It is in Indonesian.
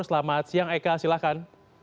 selamat siang eka silakan